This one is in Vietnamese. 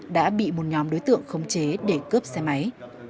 đã bị một nhóm đối tượng khống chế để cướp xe máy